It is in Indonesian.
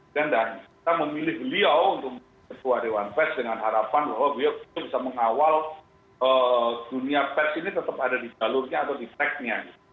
dan kita memilih beliau untuk menjadi ketua dewan pes dengan harapan bahwa beliau bisa mengawal dunia pes ini tetap ada di jalurnya atau di tag nya